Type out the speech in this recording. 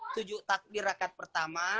tujuh takbir rakaat pertama